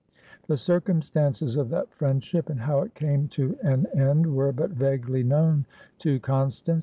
The circumstances of that friendship, and how it came to an end, were but vaguely known to Constance.